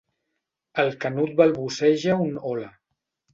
El Canut balbuceja un hola.